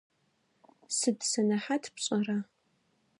Сыд сэнэхьат пшӏэра?